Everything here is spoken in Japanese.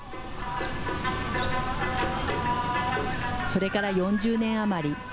それから４０年余り。